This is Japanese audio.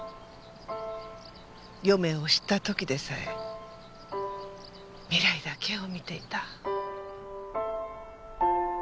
余命を知った時でさえ未来だけを見ていた。